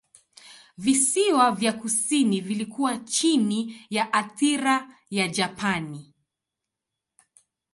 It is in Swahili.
Visiwa vya kusini vilikuwa chini ya athira ya Japani.